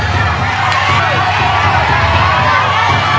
สวัสดีครับ